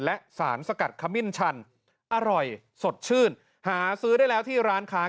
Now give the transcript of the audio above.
และสารสกัดขมิ้นชันอร่อยสดชื่นหาซื้อได้แล้วที่ร้านค้า